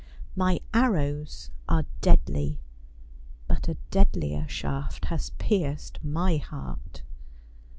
My arrows are deadly, but a deadlier shaft has pierced my heart."